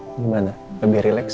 bagaimana lebih rileks